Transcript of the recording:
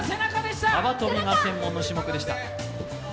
幅跳びが専門の種目でした。